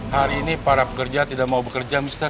hari ini para pekerja tidak mau bekerja